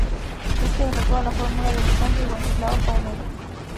Éste derrotó a la fórmula de Elizalde y Wenceslao Paunero.